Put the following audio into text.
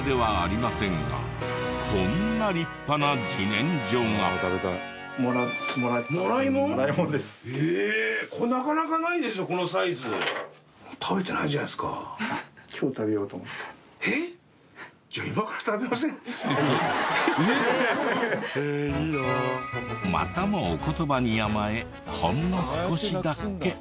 またもお言葉に甘えほんの少しだけ。